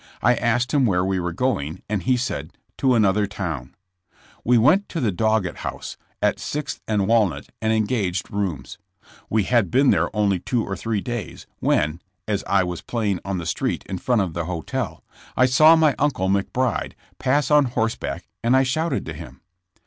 I asked him where we were going and he said, 'Ho another town." We went to the Doggett House, at Sixth and Walnut, and engaged rooms. We had been there only two or three days, when, as I was playing on the street in front of the hotel, I saw my uncle, McBride, pass on horseback and I shouted to him.